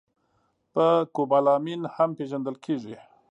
په کوبالامین هم پېژندل کېږي